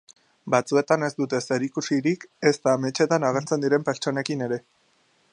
Batzuetan ez dute zerikusirik ezta ametsean agertzen diren pertsonekin ere.